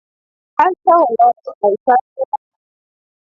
هلته ولاړو او چای مو وڅښلې.